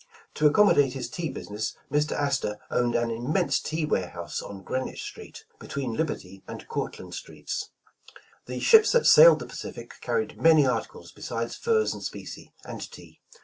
To accommodate his tea business, Mr. Astor owned an immense tea warehouse on Greenwich Street, between Liberty and Courtland Streets. The ships that sailed the Pacific carried many arti cles besides furs and specie, and tea.